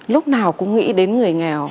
lúc nào cũng nghĩ đến người nghèo